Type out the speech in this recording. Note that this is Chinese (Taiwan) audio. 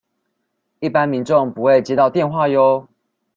一般民眾不會接到電話唷